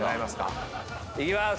いきます。